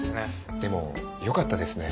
でもよかったですね